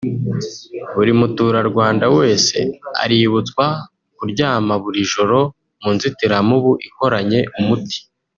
Buri muturandwanda wese aributswa kuryama buri joro mu nzitiramubu ikoranye umuti